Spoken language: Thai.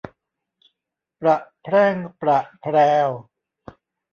ประแพร่งประแพรว